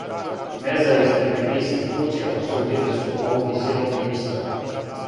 Независне медијске куће осудиле су ову изјаву министра.